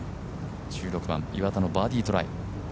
１６番、岩田のバーディートライ。